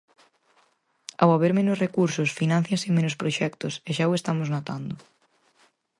Ao haber menos recursos, fináncianse menos proxectos e xa o estamos notando.